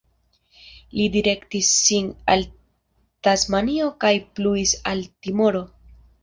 Li direktis sin al Tasmanio kaj pluis al Timoro.